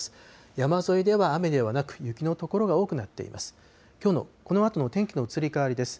山沿いでは雨ではなく、雪の所が多くなっています。